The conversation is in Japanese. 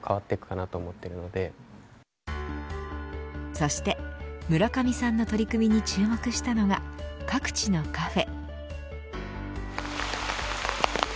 そして村上さんの取り組みに注目したのが各地のカフェ。